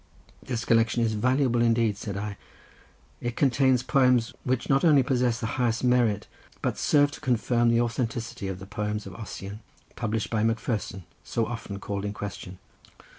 "This collection is valuable indeed," said I; "it contains poems, which not only possess the highest merit, but serve to confirm the authenticity of the poems of Ossian, published by Macpherson, so often called in question.